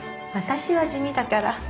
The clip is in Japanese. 私は地味だから。